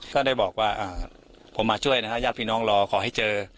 ก็ได้บอกว่าผมมาช่วยนะฮะญาติพี่น้องรอขอให้เจอ